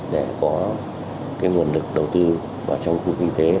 để có nguồn lực đầu tư vào trong khu kinh tế